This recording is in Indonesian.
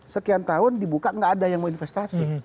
sekian tahun dibuka tidak ada yang mau investasi